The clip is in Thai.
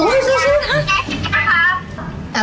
สวัสดีค่ะ